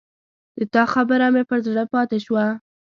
د تا خبره مې پر زړه پاته شوه